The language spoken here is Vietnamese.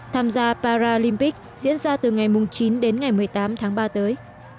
tham gia paralympic diễn ra từ ngày chín đến ngày một mươi tám tháng ba tới